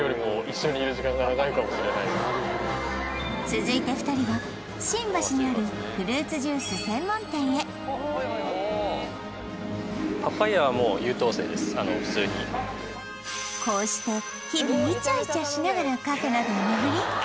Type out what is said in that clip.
続いて２人は新橋にあるフルーツジュース専門店へあの普通にこうして日々イチャイチャしながらカフェなどを巡り